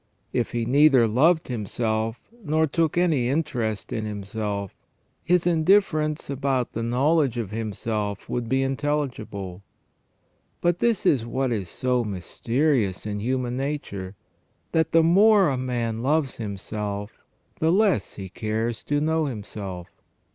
If he neither loved himself nor took any interest in himself, his indifference about the know ledge of himself would be intelligible ; but this is what is so mysterious in human nature, that the more a man loves himself the less he cares to know himself.